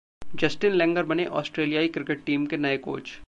Justin Langer बने ऑस्ट्रेलियाई cricket team के नए कोच